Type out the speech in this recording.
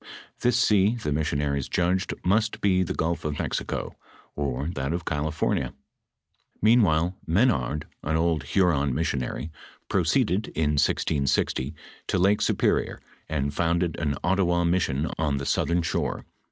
This sea the mis sionaries judged must be the gulf of Mexico, or that of Call fornia.f Mea«while Menard, an old Iluron missionary, proceeded, in 1660, to Lake Superior, an<> founded an Ottawa 'mission on the southern shore.